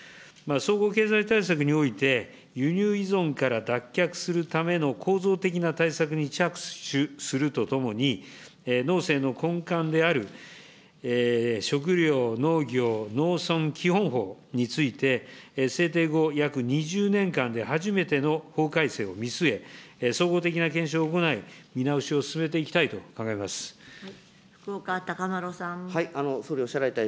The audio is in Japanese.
総合経済対策において、輸入依存から脱却するための構造的な対策に着手するとともに、農政の根幹である食料、農業・農村基本法について、制定後約２０年間で、初めての法改正を見据え、総合的な検証を行い、見直しを進めていきたいと考えま福岡資麿さん。